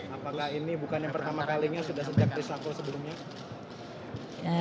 apakah ini bukan yang pertama kalinya sudah sejak reshuffle sebelumnya